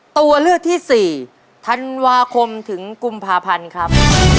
ตัวเลือกที่๔ธันวาคมถึงกุมภาพันธ์ครับ